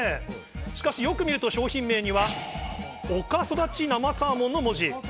しかしよく見ると、商品名にはおかそだち生サーモンの文字。